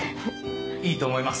いいと思います！